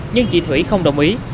nhưng chị thủy không đồng ý